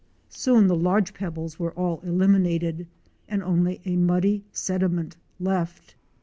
Soon the large pebbles were all eliminated and only a muddy sediment left.